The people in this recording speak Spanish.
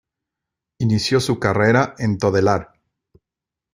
Inició su carrera en Todelar.